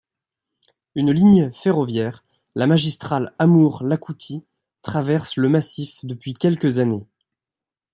Une ligne ferroviaire, la Magistrale Amour-Iakoutie, traverse le massif depuis quelques années.